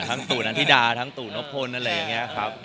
ตู่นันธิดาทั้งตู่นพลอะไรอย่างนี้ครับ